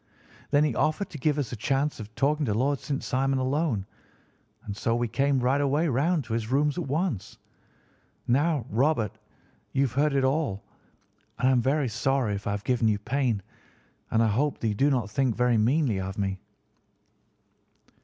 Then he offered to give us a chance of talking to Lord St. Simon alone, and so we came right away round to his rooms at once. Now, Robert, you have heard it all, and I am very sorry if I have given you pain, and I hope that you do not think very meanly of me."